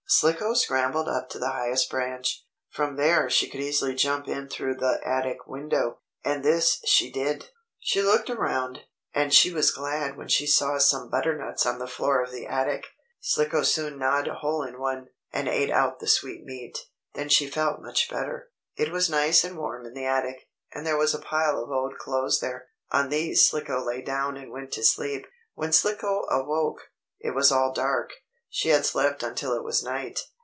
Slicko scrambled up to the highest branch. From there she could easily jump in through the attic window, and this she did. She looked around, and she was glad when she saw some butternuts on the floor of the attic. Slicko soon gnawed a hole in one, and ate out the sweet meat. Then she felt much better. It was nice and warm in the attic, and there was a pile of old clothes there. On these Slicko lay down and went to sleep. When Slicko awoke, it was all dark. She had slept until it was night.